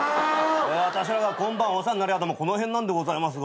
私らが今晩お世話になる宿もこの辺なんでございますが。